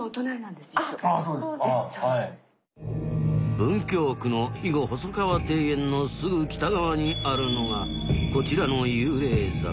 文京区の肥後細川庭園のすぐ北側にあるのがこちらの幽霊坂。